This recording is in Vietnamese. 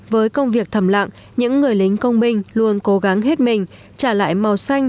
với công việc thầm lặng những người lính công binh luôn cố gắng hết mình trả lại màu xanh